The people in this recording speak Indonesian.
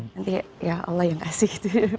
nanti ya allah yang kasih gitu